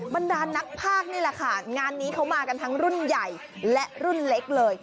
บรรดานนักภาคนี่แหละค่ะงานนี้เขามากันทั้งรุ่นใหญ่และรุ่นเล็กเลย